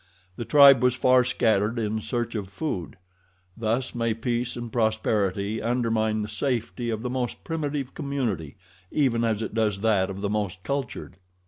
The tribe was far scattered in search of food. Thus may peace and prosperity undermine the safety of the most primitive community even as it does that of the most cultured.